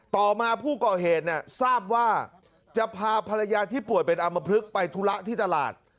ต่อมาผู้ก่อเหตุทราบว่าจะพาภรรยาที่ป่วยเป็นอำมพลึกไปธุระที่ตลาด